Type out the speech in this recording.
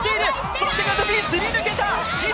そしてガチャピンすり抜けた。